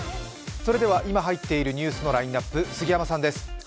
それでは今入っているニュースのラインナップ、杉山さんです。